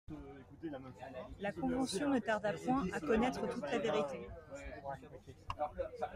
La Convention ne tarda point à connaître toute la vérité.